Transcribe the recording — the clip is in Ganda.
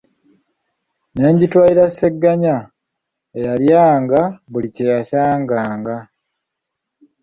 Ne ngitwalira Ssegaanya, eyalyanga buli kye yasanganga.